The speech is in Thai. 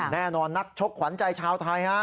แน่นอนนักชกขวัญใจชาวไทยฮะ